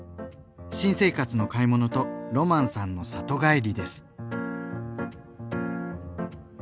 新生活の買い物とロマンさんの里帰りです。